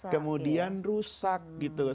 kemudian rusak gitu